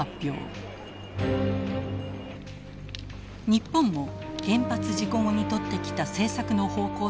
日本も原発事故後にとってきた政策の方向性を大きく転換。